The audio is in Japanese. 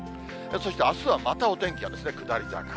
そしてあすはまたお天気は下り坂。